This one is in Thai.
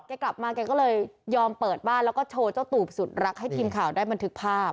กลับมาแกก็เลยยอมเปิดบ้านแล้วก็โชว์เจ้าตูบสุดรักให้ทีมข่าวได้บันทึกภาพ